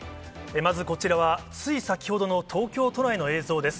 まず、こちらは、つい先ほどの東京都内の映像です。